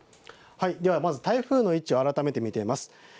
台風の位置を改めて見てみます。